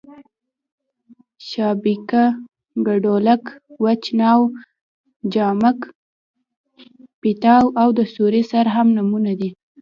شابېتکه، کډلک، وچ ناو، جامک پېتاو او د سیوري سر هم نومونه دي.